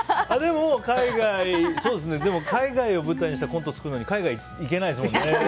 そうですね、でも海外を舞台にしたコント作る時に海外に行けないですもんね。